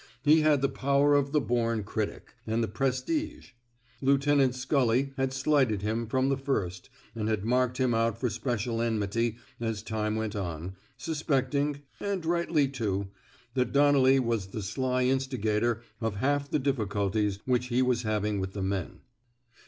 He had the power of the bom critic, and the prestige. Lieutenant Scully had slighted him from the first, and had marked him out for special enmity as time went on, suspecting — and rightly too — that Donnelly was the sly instigator of half the difficulties which he was having with the men.